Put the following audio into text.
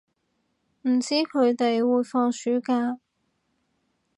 唔知佢哋會放暑假